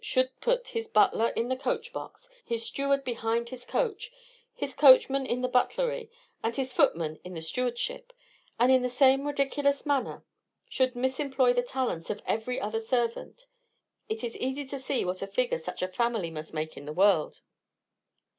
should put his butler in the coach box, his steward behind his coach, his coachman in the butlery, and his footman in the stewardship, and in the same ridiculous manner should misemploy the talents of every other servant; it is easy to see what a figure such a family must make in the world.